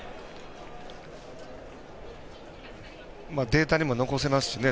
データにも残せますしね。